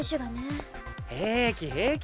平気平気！